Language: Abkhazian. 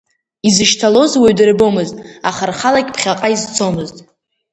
Изышьҭалоз уаҩ дырбомызт, аха рхалагь ԥхьаҟа изцомызт.